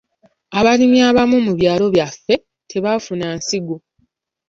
Abalimi abamu mu byalo byaffe tebaafuna nsigo.